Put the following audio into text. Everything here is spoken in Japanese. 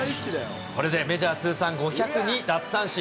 これでメジャー通算５０２奪三振。